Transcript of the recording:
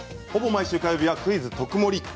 ほぼ毎週火曜日は「クイズとくもり」。